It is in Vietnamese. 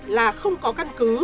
là không có căn cứ